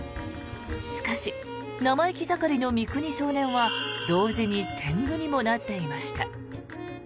しかし、生意気盛りの三國少年は同時に天狗にもなっていました。